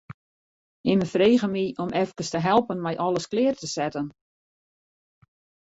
Ien frege my om efkes te helpen mei alles klear te setten.